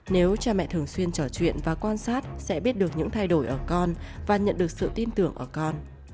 nếu cha mẹ thường xuyên trò chuyện và quan sát sẽ biết được những thay đổi ở con và nhận được sự tin tưởng ở con